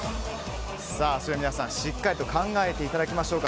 皆さん、しっかりと考えていただきましょう。